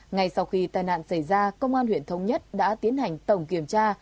ngay sau khi tai nạn xảy ra công an huyện thống nhất đã tiến hành tổng kiểm tra